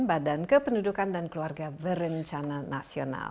badan kependudukan dan keluarga berencana nasional